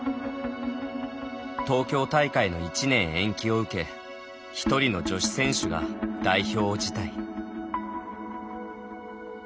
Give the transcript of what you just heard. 東京大会の１年延期を受け１人の女子選手が代表を辞退。